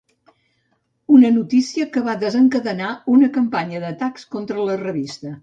Una notícia que va desencadenar una campanya d’atacs contra la revista.